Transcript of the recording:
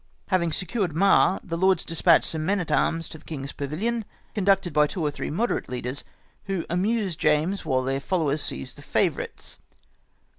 Having secured jNIar, the lords dispatched some men at arms to the king's pavilion, conducted by two or three moderate leaders, who amused James while their followers seized the favourites.